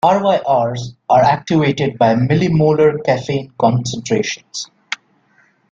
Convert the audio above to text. RyRs are activated by millimolar caffeine concentrations.